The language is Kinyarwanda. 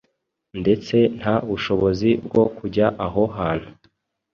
ndetse nta bushobozi bwo kujya aho hantu